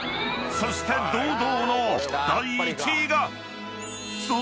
［そして堂々の第１位が］